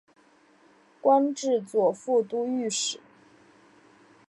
官至左副都御史。